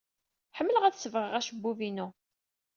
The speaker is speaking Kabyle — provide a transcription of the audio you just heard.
Ḥemmleɣ ad sebɣeɣ acebbub-inu.